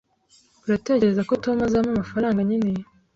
Uratekereza ko Tom azampa amafaranga nkeneye?